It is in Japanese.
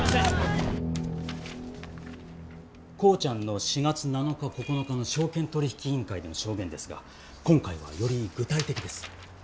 コーチャンの４月７日９日の証券取引委員会での証言ですが今回はより具体的です。